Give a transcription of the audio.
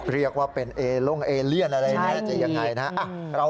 เรียกว่าเป็นเอล่งเอเลียนอะไรนะจะยังไงนะ